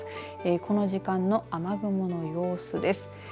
この時間の雨雲の様子です。